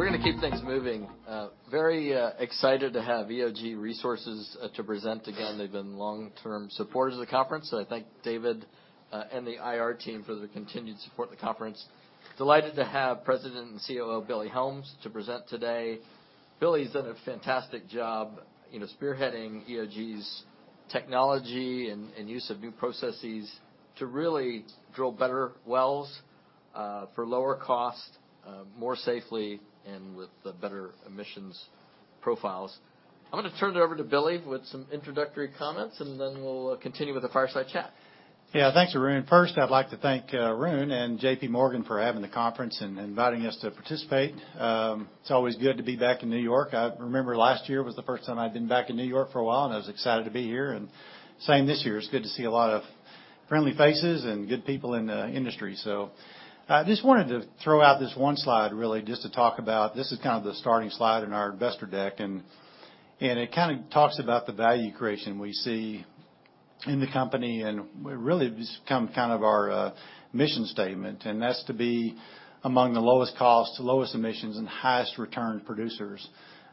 We're gonna keep things moving. Very excited to have EOG Resources to present again. They've been long-term supporters of the conference, so I thank David and the IR team for their continued support of the conference. Delighted to have President and COO Billy Helms to present today. Billy's done a fantastic job, you know, spearheading EOG's technology and use of new processes to really drill better wells for lower cost, more safely, and with the better emissions profiles. I'm gonna turn it over to Billy with some introductory comments, and then we'll continue with the fireside chat. Thanks, Arun. First, I'd like to thank Arun and JPMorgan for having the conference and inviting us to participate. It's always good to be back in New York. I remember last year was the first time I'd been back in New York for a while, and I was excited to be here, and same this year. It's good to see a lot of friendly faces and good people in the industry. I just wanted to throw out this one slide, really just to talk about... This is kind of the starting slide in our investor deck, and it kinda talks about the value creation we see in the company, and really become kind of our mission statement, and that's to be among the lowest cost, lowest emissions, and highest return producers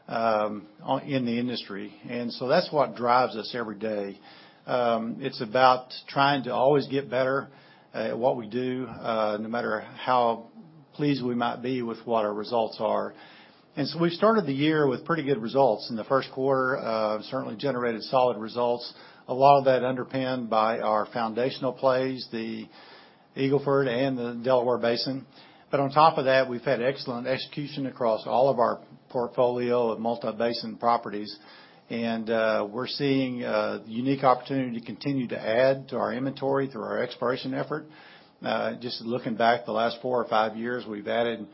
in the industry. That's what drives us every day. It's about trying to always get better at what we do, no matter how pleased we might be with what our results are. We started the year with pretty good results. In the first quarter, certainly generated solid results. A lot of that underpinned by our foundational plays, the Eagle Ford and the Delaware Basin. On top of that, we've had excellent execution across all of our portfolio of multi-basin properties, and we're seeing a unique opportunity to continue to add to our inventory through our exploration effort. Just looking back the last four or five years, we've added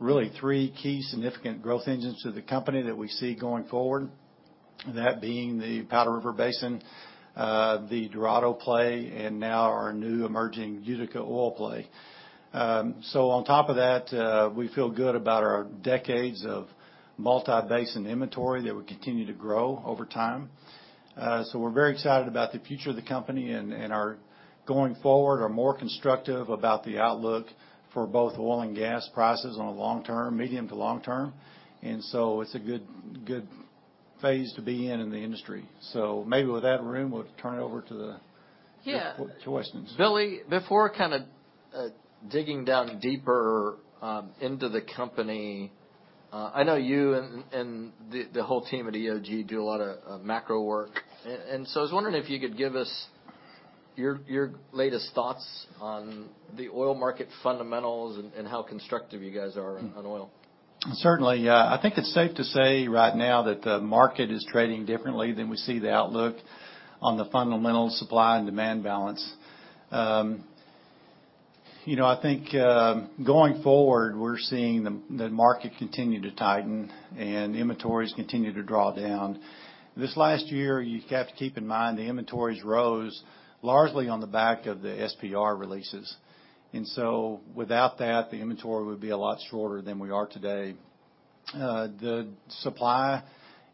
really three key significant growth engines to the company that we see going forward, that being the Powder River Basin, the Dorado play, and now our new emerging Utica Oil play. On top of that, we feel good about our decades of multi-basin inventory that will continue to grow over time. We're very excited about the future of the company and are going forward or more constructive about the outlook for both oil and gas prices on a long term, medium to long term. It's a good phase to be in the industry. Maybe with that, Arun, we'll turn it over. Yeah. To questions. Billy, before kinda digging down deeper into the company, I know you and the whole team at EOG do a lot of macro work. I was wondering if you could give us your latest thoughts on the oil market fundamentals and how constructive you guys are on oil. Certainly, yeah. I think it's safe to say right now that the market is trading differently than we see the outlook on the fundamental supply and demand balance. you know, I think, going forward, we're seeing the market continue to tighten and inventories continue to draw down. This last year, you have to keep in mind, the inventories rose largely on the back of the SPR releases. Without that, the inventory would be a lot shorter than we are today. The supply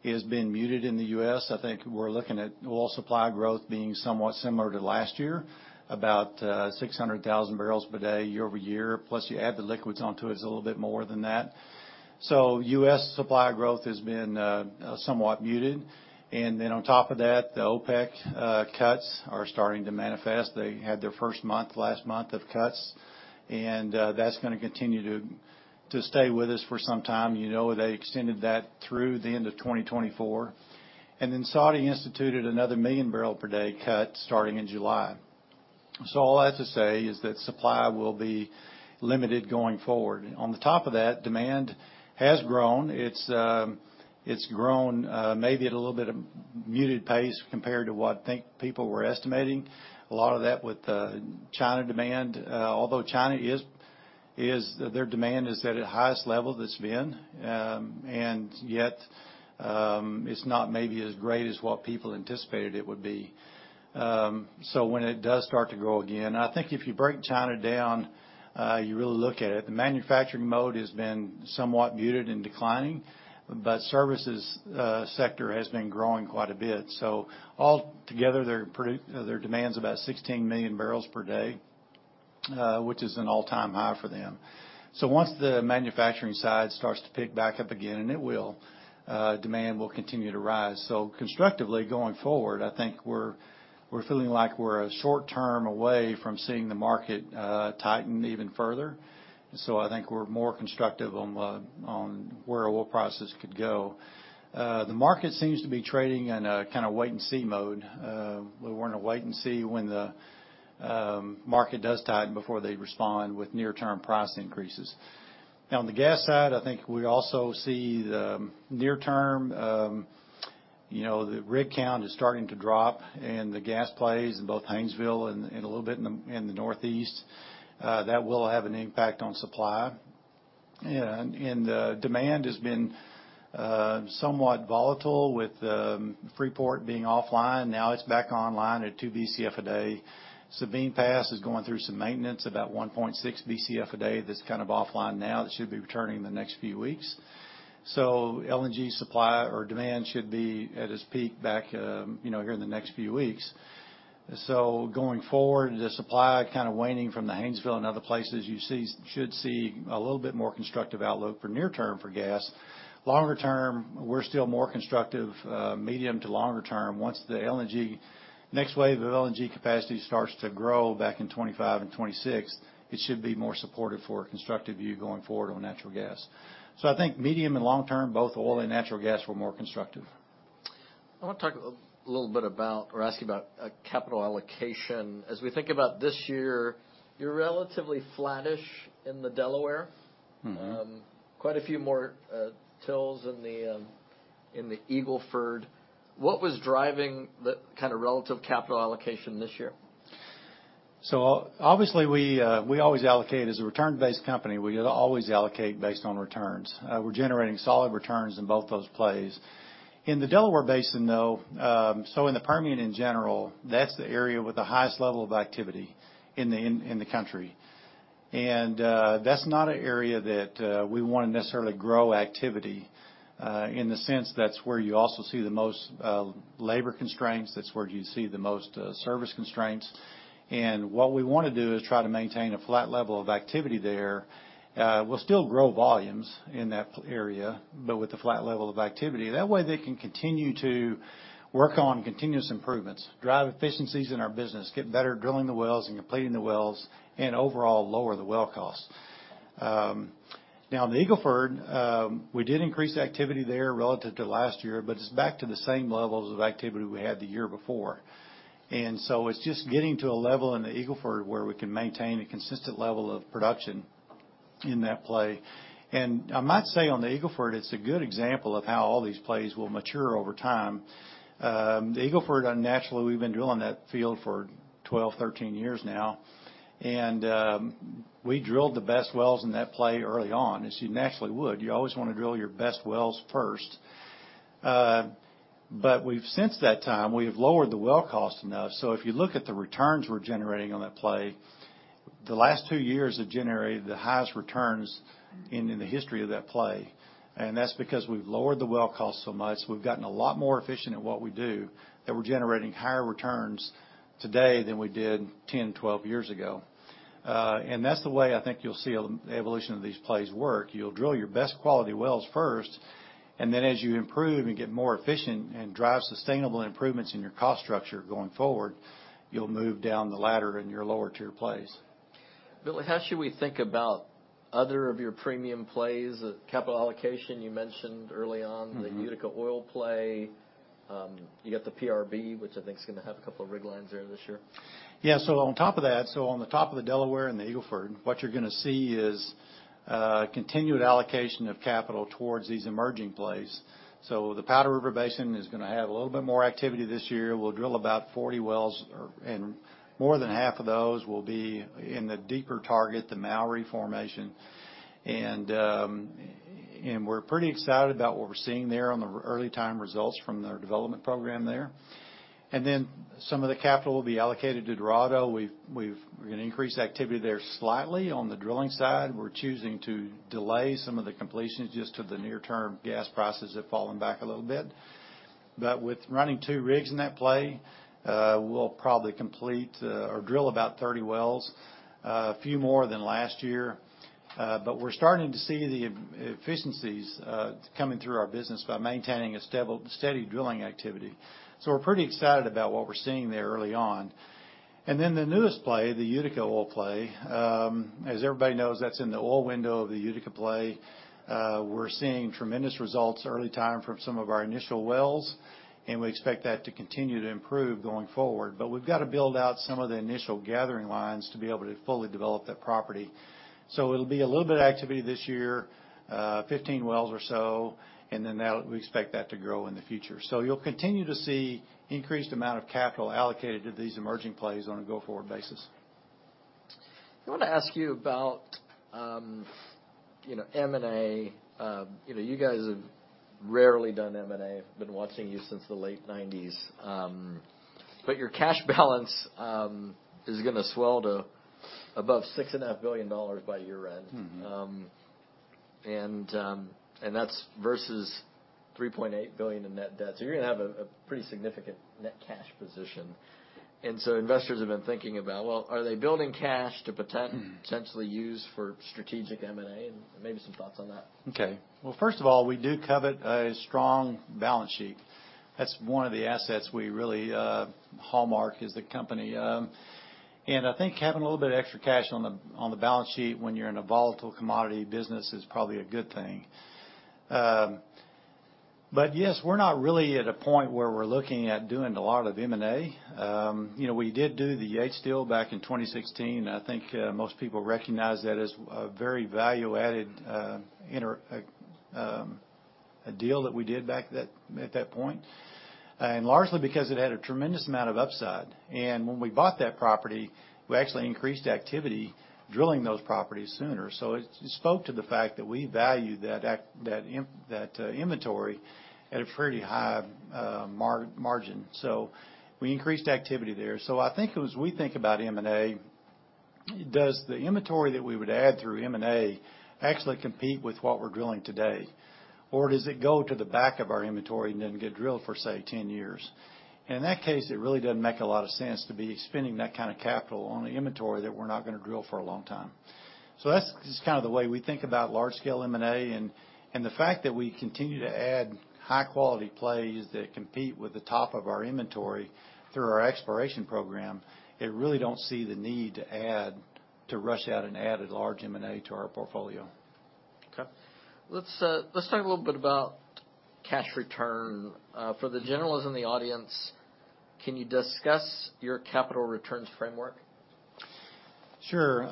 has been muted in the U.S. I think we're looking at oil supply growth being somewhat similar to last year, about, 600,000 barrels per day, year-over-year, plus you add the liquids onto it's a little bit more than that. U.S. supply growth has been somewhat muted, and then on top of that, the OPEC cuts are starting to manifest. They had their first month, last month, of cuts, and that's gonna continue to stay with us for some time. You know, they extended that through the end of 2024, and then Saudi instituted another 1 million barrel per day cut starting in July. All I have to say is that supply will be limited going forward. On the top of that, demand has grown. It's grown maybe at a little bit of muted pace compared to what I think people were estimating. A lot of that with China demand, although China is their demand is at a highest level that it's been, and yet, it's not maybe as great as what people anticipated it would be. When it does start to grow again. I think if you break China down, you really look at it, the manufacturing mode has been somewhat muted and declining, but services sector has been growing quite a bit. Altogether, their demand's about 16 million barrels per day, which is an all-time high for them. Once the manufacturing side starts to pick back up again, and it will, demand will continue to rise. Constructively, going forward, I think we're feeling like we're a short term away from seeing the market tighten even further. I think we're more constructive on where oil prices could go. The market seems to be trading in a kinda wait-and-see mode. We're in a wait-and-see when the market does tighten before they respond with near-term price increases. Now, on the gas side, I think we also see the near term, you know, the rig count is starting to drop, and the gas plays in both Haynesville and a little bit in the, in the Northeast, that will have an impact on supply. Demand has been somewhat volatile with Freeport being offline. Now, it's back online at 2 Bcf a day. Sabine Pass is going through some maintenance, about 1.6 Bcf a day. That's kind of offline now. That should be returning in the next few weeks. LNG supply or demand should be at its peak back, you know, here in the next few weeks. Going forward, the supply kind of waning from the Haynesville and other places, should see a little bit more constructive outlook for near term for gas. Longer term, we're still more constructive, medium to longer term. Once the LNG, next wave of LNG capacity starts to grow back in 2025 and 2026, it should be more supportive for a constructive view going forward on natural gas. I think medium and long term, both oil and natural gas were more constructive. I want to talk a little bit about or ask you about, capital allocation. As we think about this year, you're relatively flattish in the Delaware. Mm-hmm. Quite a few more tills in the in the Eagle Ford. What was driving the kind of relative capital allocation this year? Obviously, we always allocate as a return-based company. We always allocate based on returns. We're generating solid returns in both those plays. In the Delaware Basin, though, in the Permian in general, that's the area with the highest level of activity in the country. That's not an area that we want to necessarily grow activity in the sense that's where you also see the most labor constraints, that's where you see the most service constraints. What we wanna do is try to maintain a flat level of activity there. We'll still grow volumes in that area, but with a flat level of activity. That way, they can continue to work on continuous improvements, drive efficiencies in our business, get better at drilling the wells and completing the wells, and overall, lower the well costs. Now, in the Eagle Ford, we did increase activity there relative to last year, but it's back to the same levels of activity we had the year before. It's just getting to a level in the Eagle Ford where we can maintain a consistent level of production in that play. I might say on the Eagle Ford, it's a good example of how all these plays will mature over time. The Eagle Ford, naturally, we've been drilling that field for 12, 13 years now, and we drilled the best wells in that play early on, as you naturally would. You always wanna drill your best wells first. Since that time, we've lowered the well cost enough, so if you look at the returns we're generating on that play, the last two years have generated the highest returns in the history of that play. That's because we've lowered the well cost so much, we've gotten a lot more efficient at what we do, that we're generating higher returns today than we did 10, 12 years ago. That's the way I think you'll see the evolution of these plays work. You'll drill your best quality wells first, and then as you improve and get more efficient and drive sustainable improvements in your cost structure going forward, you'll move down the ladder in your lower-tier plays. Billy, how should we think about other of your premium plays? Capital allocation, you mentioned early on. Mm-hmm. the Utica oil play. You got the PRB, which I think is gonna have a couple of rig lines there this year. Yeah. On top of that, on the top of the Delaware and the Eagle Ford, what you're gonna see is continued allocation of capital towards these emerging plays. The Powder River Basin is gonna have a little bit more activity this year. We'll drill about 40 wells, and more than half of those will be in the deeper target, the Mowry formation. We're pretty excited about what we're seeing there on the early time results from their development program there. Then some of the capital will be allocated to Dorado. We're gonna increase activity there slightly. On the drilling side, we're choosing to delay some of the completions just till the near term gas prices have fallen back a little bit. With running two rigs in that play, we'll probably complete or drill about 30 wells, a few more than last year. We're starting to see the efficiencies coming through our business by maintaining a steady drilling activity. We're pretty excited about what we're seeing there early on. The newest play, the Utica Oil Play, as everybody knows, that's in the oil window of the Utica Play. We're seeing tremendous results early time from some of our initial wells, and we expect that to continue to improve going forward. We've got to build out some of the initial gathering lines to be able to fully develop that property. It'll be a little bit of activity this year, 15 wells or so, and then we expect that to grow in the future. You'll continue to see increased amount of capital allocated to these emerging plays on a go-forward basis. I want to ask you about, you know, M&A. You know, you guys have rarely done M&A. I've been watching you since the late '90s. Your cash balance is gonna swell to above six and a half billion dollars by year-end. Mm-hmm. That's versus $3.8 billion in net debt. You're gonna have a pretty significant net cash position. Investors have been thinking about, are they building cash to Mm-hmm... potentially use for strategic M&A? Maybe some thoughts on that. First of all, we do covet a strong balance sheet. That's one of the assets we really hallmark as the company. I think having a little bit of extra cash on the balance sheet when you're in a volatile commodity business is probably a good thing. Yes, we're not really at a point where we're looking at doing a lot of M&A. You know, we did do the Yates deal back in 2016. I think most people recognize that as a very value-added deal that we did back that, at that point, and largely because it had a tremendous amount of upside. When we bought that property, we actually increased activity, drilling those properties sooner. It spoke to the fact that we value that inventory at a pretty high margin. We increased activity there. I think as we think about M&A-... does the inventory that we would add through M&A actually compete with what we're drilling today? Or does it go to the back of our inventory and then get drilled for, say, 10 years? In that case, it really doesn't make a lot of sense to be spending that kind of capital on the inventory that we're not gonna drill for a long time. That's just kind of the way we think about large-scale M&A, and the fact that we continue to add high-quality plays that compete with the top of our inventory through our exploration program, I really don't see the need to rush out and add a large M&A to our portfolio. Okay. Let's talk a little bit about cash return. For the generalists in the audience, can you discuss your capital returns framework? Sure.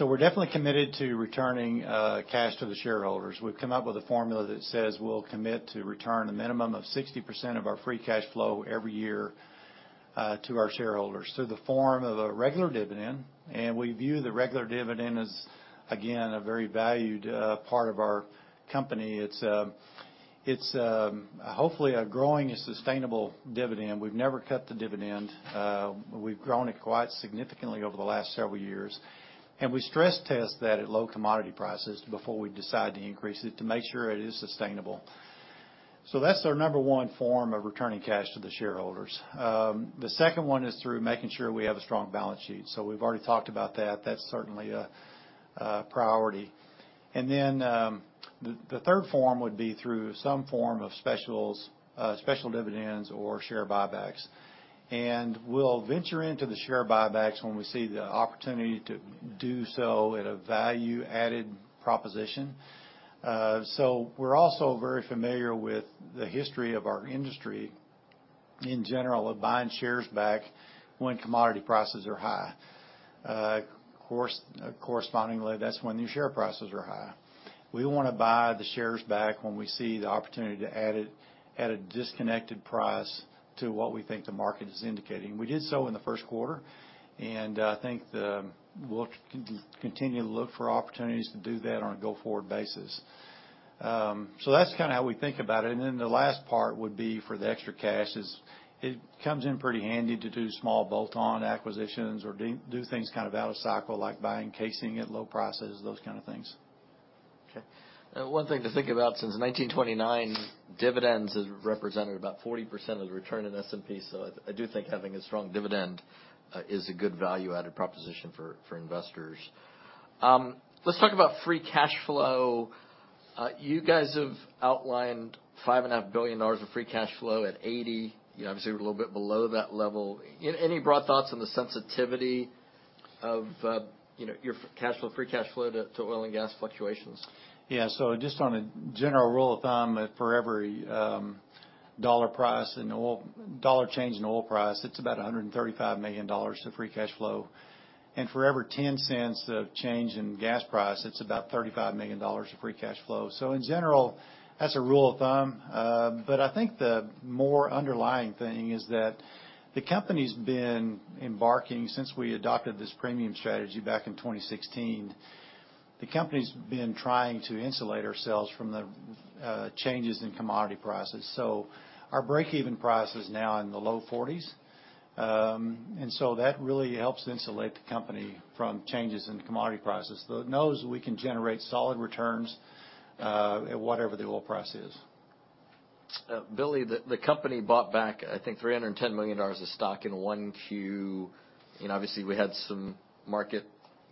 We're definitely committed to returning cash to the shareholders. We've come up with a formula that says we'll commit to return a minimum of 60% of our free cash flow every year to our shareholders through the form of a regular dividend. We view the regular dividend as, again, a very valued part of our company. It's hopefully a growing and sustainable dividend. We've never cut the dividend. We've grown it quite significantly over the last several years, and we stress test that at low commodity prices before we decide to increase it, to make sure it is sustainable. That's our number one form of returning cash to the shareholders. The second one is through making sure we have a strong balance sheet. We've already talked about that. That's certainly a priority. The third form would be through some form of specials, special dividends or share buybacks. We'll venture into the share buybacks when we see the opportunity to do so at a value-added proposition. We're also very familiar with the history of our industry, in general, of buying shares back when commodity prices are high. Correspondingly, that's when your share prices are high. We wanna buy the shares back when we see the opportunity to add it at a disconnected price to what we think the market is indicating. We did so in the first quarter, I think we'll continue to look for opportunities to do that on a go-forward basis. That's kinda how we think about it. The last part would be for the extra cash, is it comes in pretty handy to do small bolt-on acquisitions or do things kind of out of cycle, like buying casing at low prices, those kind of things. One thing to think about, since 1929, dividends has represented about 40% of the return in S&P. I do think having a strong dividend is a good value-added proposition for investors. Let's talk about free cash flow. You guys have outlined $5.5 billion of free cash flow at $80. You obviously were a little bit below that level. Any broad thoughts on the sensitivity of, you know, your cash flow, free cash flow to oil and gas fluctuations? Yeah. Just on a general rule of thumb, for every dollar change in oil price, it's about $135 million to free cash flow. For every $0.10 of change in gas price, it's about $35 million of free cash flow. In general, that's a rule of thumb, but I think the more underlying thing is that the company's been embarking since we adopted this Premium Strategy back in 2016. The company's been trying to insulate ourselves from the changes in commodity prices, so our break-even price is now in the low forties. That really helps insulate the company from changes in commodity prices. It knows we can generate solid returns at whatever the oil price is. Billy, the company bought back, I think, $310 million of stock in 1Q. Obviously, we had some market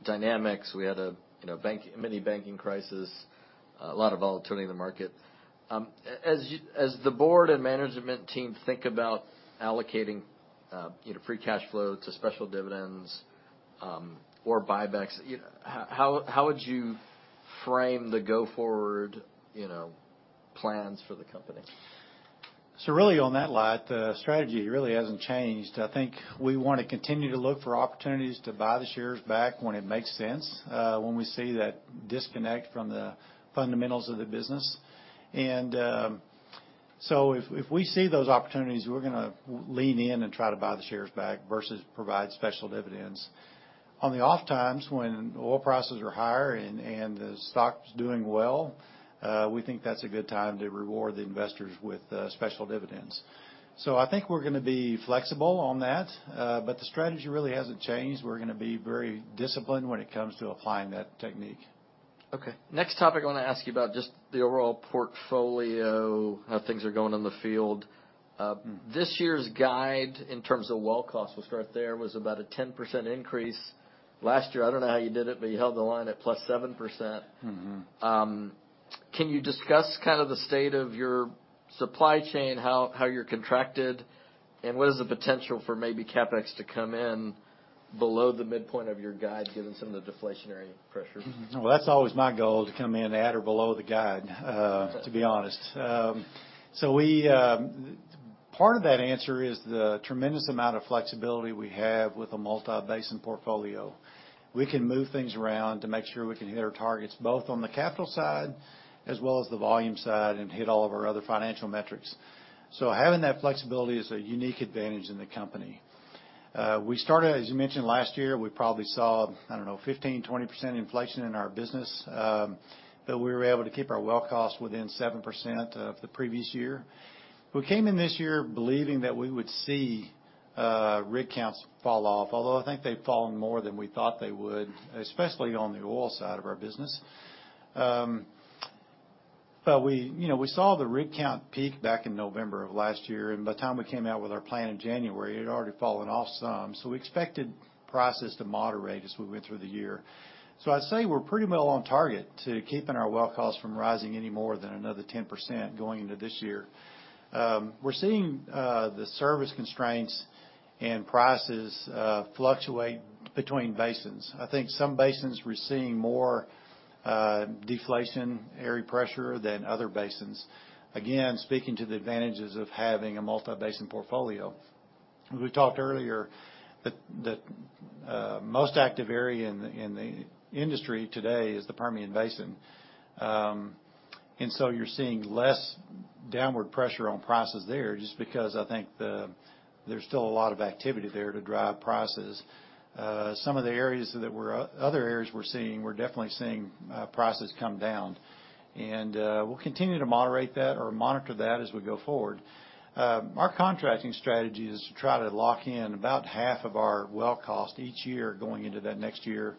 dynamics. We had a, you know, mini banking crisis, a lot of volatility in the market. As the board and management team think about allocating, you know, free cash flow to special dividends, or buybacks, you know, how would you frame the go-forward, you know, plans for the company? Really, on that lot, the strategy really hasn't changed. I think we want to continue to look for opportunities to buy the shares back when it makes sense, when we see that disconnect from the fundamentals of the business. If we see those opportunities, we're gonna lean in and try to buy the shares back versus provide special dividends. On the off times, when oil prices are higher and the stock's doing well, we think that's a good time to reward the investors with special dividends. I think we're gonna be flexible on that, but the strategy really hasn't changed. We're gonna be very disciplined when it comes to applying that technique. Okay. Next topic I want to ask you about, just the overall portfolio, how things are going in the field. Mm-hmm. This year's guide, in terms of well costs, we'll start there, was about a 10% increase. Last year, I don't know how you did it, but you held the line at +7%. Mm-hmm. Can you discuss kind of the state of your supply chain, how you're contracted, and what is the potential for maybe CapEx to come in below the midpoint of your guide, given some of the deflationary pressure? Well, that's always my goal, to come in at or below the guide, to be honest. Part of that answer is the tremendous amount of flexibility we have with a multi-basin portfolio. We can move things around to make sure we can hit our targets, both on the capital side as well as the volume side, and hit all of our other financial metrics. Having that flexibility is a unique advantage in the company. We started, as you mentioned, last year, we probably saw, I don't know, 15%-20% inflation in our business, we were able to keep our well costs within 7% of the previous year. We came in this year believing that we would see rig counts fall off, although I think they've fallen more than we thought they would, especially on the oil side of our business. We, you know, we saw the rig count peak back in November of last year, and by the time we came out with our plan in January, it had already fallen off some. We expected prices to moderate as we went through the year. I'd say we're pretty well on target to keeping our well costs from rising any more than another 10% going into this year. We're seeing the service constraints and prices fluctuate between basins. I think some basins, we're seeing more deflationary pressure than other basins. Speaking to the advantages of having a multi-basin portfolio. We talked earlier that most active area in the industry today is the Permian Basin. You're seeing less downward pressure on prices there, just because I think there's still a lot of activity there to drive prices. Some of the areas that other areas we're seeing, we're definitely seeing prices come down, and we'll continue to moderate that or monitor that as we go forward. Our contracting strategy is to try to lock in about half of our well cost each year, going into that next year,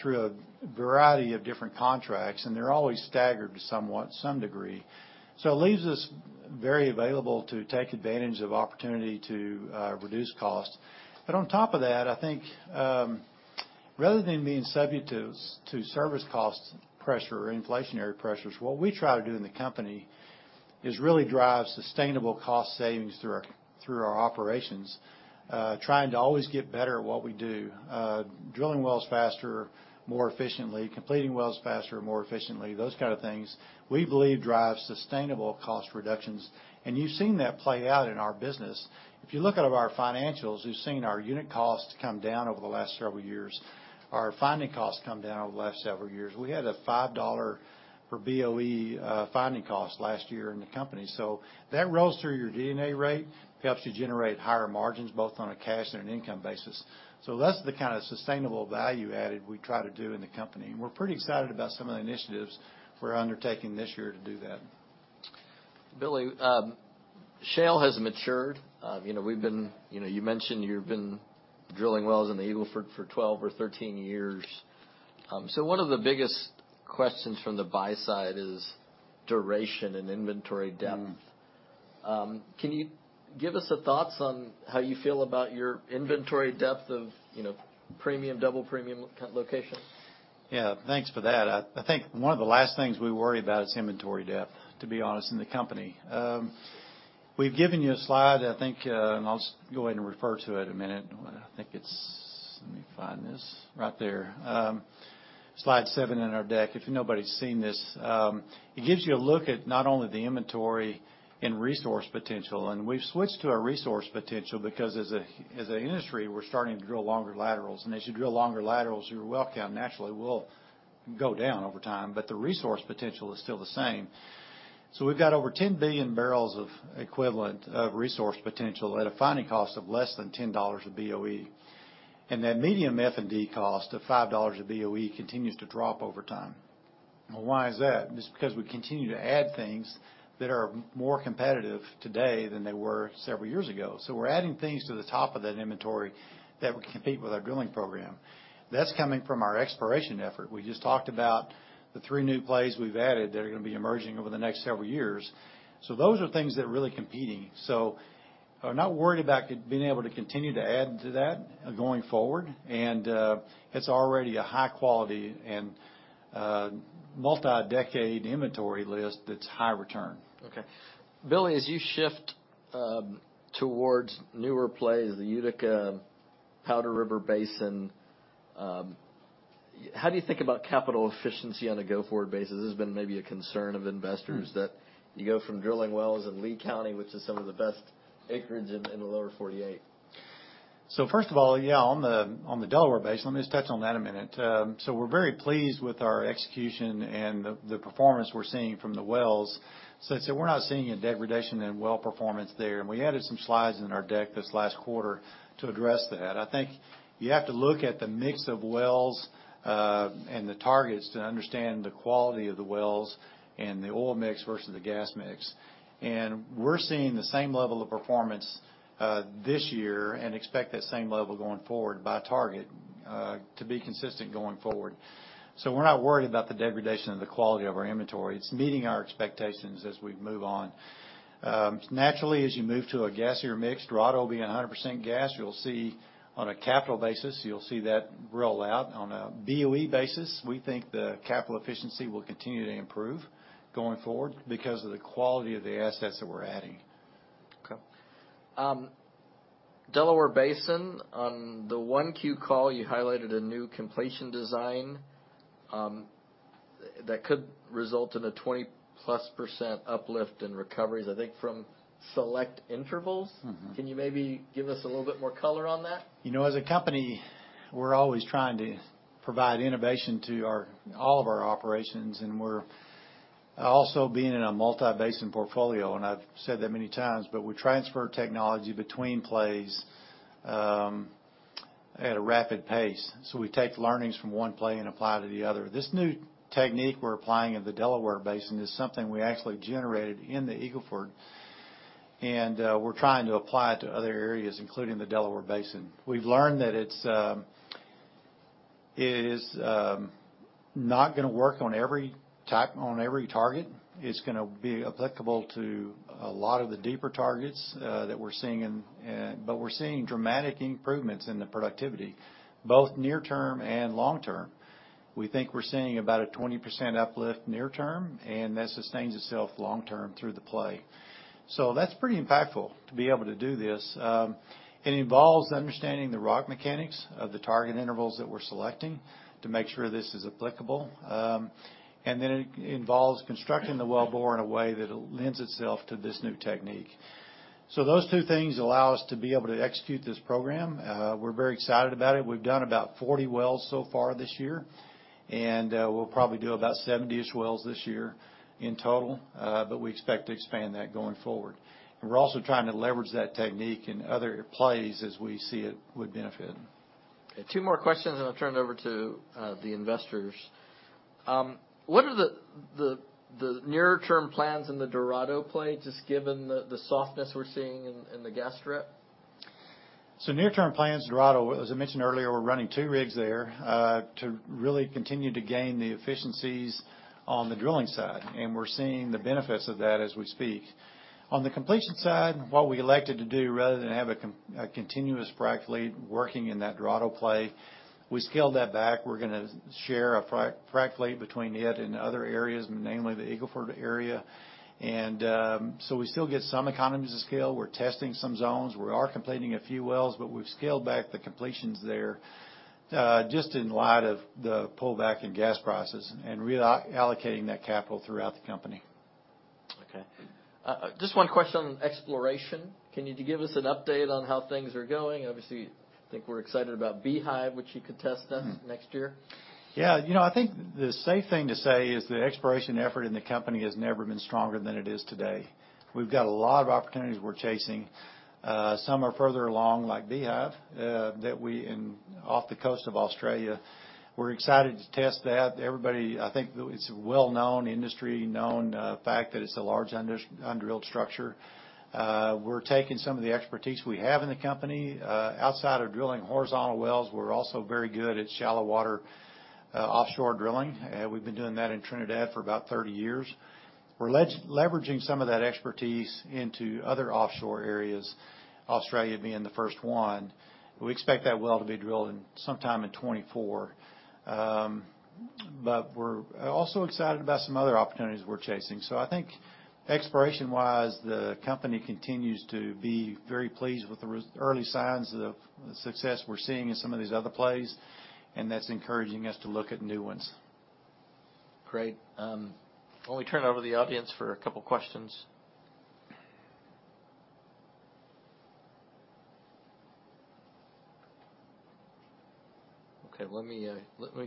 through a variety of different contracts, and they're always staggered to some degree. It leaves us very available to take advantage of opportunity to reduce costs. On top of that, I think, rather than being subject to service cost pressure or inflationary pressures, what we try to do in the company is really drive sustainable cost savings through our operations, trying to always get better at what we do. Drilling wells faster, more efficiently, completing wells faster and more efficiently, those kind of things, we believe drives sustainable cost reductions. You've seen that play out in our business. If you look at our financials, you've seen our unit costs come down over the last several years. Our finding costs come down over the last several years. We had a $5 per BOE finding cost last year in the company. That rolls through your DD&A rate, helps you generate higher margins, both on a cash and an income basis. That's the kind of sustainable value added we try to do in the company, and we're pretty excited about some of the initiatives we're undertaking this year to do that. Billy, shale has matured. You know, we've been, you know, you mentioned you've been drilling wells in the Eagle Ford for 12 or 13 years. One of the biggest questions from the buy side is duration and inventory depth. Mm. Can you give us some thoughts on how you feel about your inventory depth of, you know, premium, double premium locations? Thanks for that. I think one of the last things we worry about is inventory depth, to be honest, in the company. We've given you a slide, I think. I'll just go ahead and refer to it a minute. I think it's. Let me find this. Right there. Slide seven in our deck, if nobody's seen this, it gives you a look at not only the inventory and resource potential. We've switched to a resource potential because as an industry, we're starting to drill longer laterals. As you drill longer laterals, your well count naturally will go down over time. The resource potential is still the same. We've got over 10 billion barrels of equivalent of resource potential at a finding cost of less than $10 a BOE. That medium F&D cost of $5 a BOE continues to drop over time. Why is that? Just because we continue to add things that are more competitive today than they were several years ago. We're adding things to the top of that inventory that would compete with our drilling program. That's coming from our exploration effort. We just talked about the three new plays we've added that are gonna be emerging over the next several years. Those are things that are really competing. I'm not worried about being able to continue to add to that going forward, and it's already a high quality and multi-decade inventory list that's high return. Okay. Billy, as you shift, towards newer plays, the Utica, Powder River Basin, how do you think about capital efficiency on a go-forward basis? This has been maybe a concern of investors... Mm. That you go from drilling wells in Lee County, which is some of the best acreage in the Lower 48. First of all, yeah, on the Delaware Basin, let me just touch on that a minute. We're very pleased with our execution and the performance we're seeing from the wells. I'd say we're not seeing a degradation in well performance there, and we added some slides in our deck this last quarter to address that. I think you have to look at the mix of wells and the targets to understand the quality of the wells and the oil mix versus the gas mix. We're seeing the same level of performance this year and expect that same level going forward by target to be consistent going forward. We're not worried about the degradation of the quality of our inventory. It's meeting our expectations as we move on. Naturally, as you move to a gassier mix, Dorado will be at 100% gas. You'll see on a capital basis, you'll see that roll out. On a BOE basis, we think the capital efficiency will continue to improve going forward because of the quality of the assets that we're adding. Delaware Basin, on the 1Q call, you highlighted a new completion design that could result in a 20%+ uplift in recoveries, I think, from select intervals? Mm-hmm. Can you maybe give us a little bit more color on that? You know, as a company, we're always trying to provide innovation to all of our operations. We're also being in a multi-basin portfolio. I've said that many times, but we transfer technology between plays at a rapid pace. We take learnings from one play and apply to the other. This new technique we're applying in the Delaware Basin is something we actually generated in the Eagle Ford. We're trying to apply it to other areas, including the Delaware Basin. We've learned that it's not gonna work on every type, on every target. It's gonna be applicable to a lot of the deeper targets that we're seeing in. We're seeing dramatic improvements in the productivity, both near term and long term. We think we're seeing about a 20% uplift near term. That sustains itself long term through the play. That's pretty impactful to be able to do this. It involves understanding the rock mechanics of the target intervals that we're selecting to make sure this is applicable. Then it involves constructing the well bore in a way that lends itself to this new technique. Those two things allow us to be able to execute this program. We're very excited about it. We've done about 40 wells so far this year. We'll probably do about 70-ish wells this year in total, but we expect to expand that going forward. We're also trying to leverage that technique in other plays as we see it would benefit. Two more questions, and I'll turn it over to the investors. What are the nearer term plans in the Dorado play, just given the softness we're seeing in the gas strip? Near-term plans, Dorado, as I mentioned earlier, we're running 2 rigs there to really continue to gain the efficiencies on the drilling side, and we're seeing the benefits of that as we speak. On the completion side, what we elected to do, rather than have a continuous frac fleet working in that Dorado play, we scaled that back. We're gonna share a frac fleet between it and other areas, namely the Eagle Ford area. We still get some economies of scale. We're testing some zones. We are completing a few wells, but we've scaled back the completions there just in light of the pullback in gas prices and reallocating that capital throughout the company. Okay. Just one question on exploration. Can you give us an update on how things are going? Obviously, I think we're excited about Beehive, which you could test then next year. You know, I think the safe thing to say is the exploration effort in the company has never been stronger than it is today. We've got a lot of opportunities we're chasing. Some are further along, like Beehive, that in, off the coast of Australia. We're excited to test that. Everybody, I think, it's a well-known, industry-known, fact, that it's a large undrilled structure. We're taking some of the expertise we have in the company. Outside of drilling horizontal wells, we're also very good at shallow water, offshore drilling, and we've been doing that in Trinidad for about 30 years. We're leveraging some of that expertise into other offshore areas, Australia being the first one. We expect that well to be drilled sometime in 2024. We're also excited about some other opportunities we're chasing. I think exploration-wise, the company continues to be very pleased with the early signs of the success we're seeing in some of these other plays, and that's encouraging us to look at new ones. Great. Why don't we turn it over to the audience for a couple questions? Okay, let me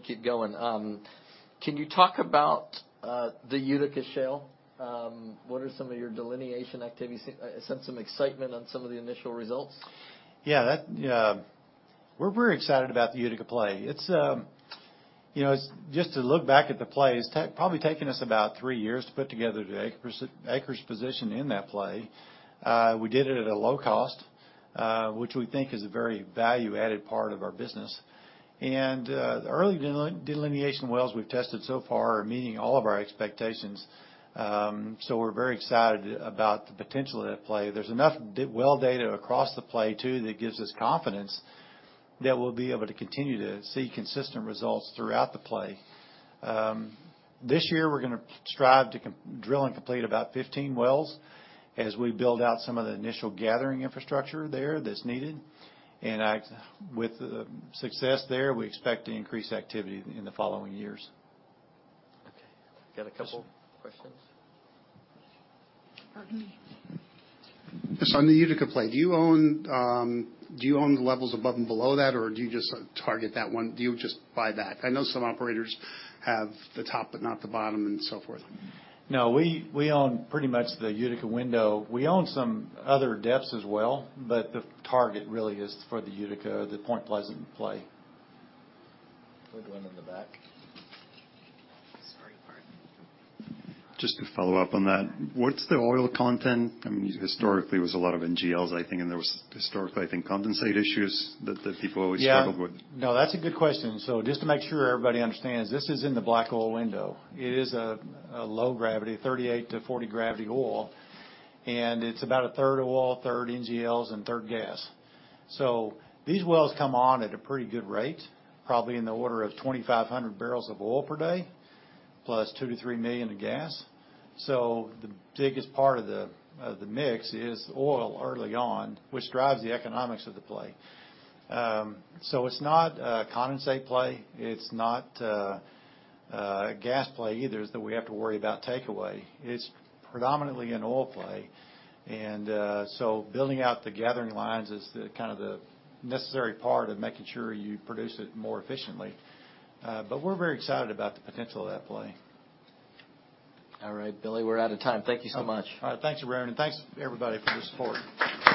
keep going. Can you talk about the Utica Shale? What are some of your delineation activities? I sense some excitement on some of the initial results. Yeah, that. We're very excited about the Utica Play. It's, you know, just to look back at the play, it's probably taken us about three years to put together the acres position in that play. We did it at a low cost, which we think is a very value-added part of our business. The early delineation wells we've tested so far are meeting all of our expectations. We're very excited about the potential of that play. There's enough well data across the play, too, that gives us confidence that we'll be able to continue to see consistent results throughout the play. This year, we're gonna strive to drill and complete about 15 wells as we build out some of the initial gathering infrastructure there that's needed. With the success there, we expect to increase activity in the following years. Okay, got a couple questions. Pardon me. Just on the Utica play, do you own, do you own the levels above and below that, or do you just target that one? Do you just buy that? I know some operators have the top but not the bottom and so forth. No, we own pretty much the Utica window. We own some other depths as well, but the target really is for the Utica, the Point Pleasant play. We have one in the back. Sorry, pardon. Just to follow up on that, what's the oil content? I mean, historically, it was a lot of NGLs, I think, and there was historically, I think, condensate issues that people always struggled with. Yeah. No, that's a good question. Just to make sure everybody understands, this is in the black oil window. It is a low gravity, 38-40 gravity oil, and it's about a third oil, third NGLs, and third gas. These wells come on at a pretty good rate, probably in the order of 2,500 barrels of oil per day, plus 2 million-3 million in gas. The biggest part of the mix is oil early on, which drives the economics of the play. It's not a condensate play. It's not a gas play either, that we have to worry about takeaway. It's predominantly an oil play, and so building out the gathering lines is the kind of the necessary part of making sure you produce it more efficiently. We're very excited about the potential of that play. All right, Billy, we're out of time. Thank you so much. All right. Thank you, Arun, and thanks, everybody, for the support.